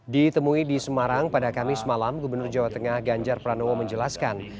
ditemui di semarang pada kamis malam gubernur jawa tengah ganjar pranowo menjelaskan